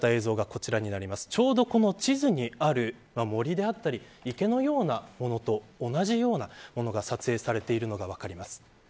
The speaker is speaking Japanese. ちょうど、この地図にある森であったり池のようなものと同じようなものが撮影されているのが分かります。